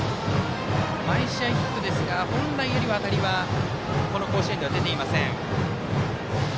毎試合ヒットですが本来よりは当たりはこの甲子園では出ていません。